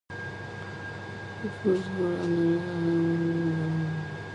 Roper was brought on to head the Marvel Franchise games created by Disney Interactive.